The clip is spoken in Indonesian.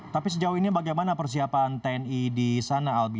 tapi sejauh ini bagaimana persiapan tni di sana albi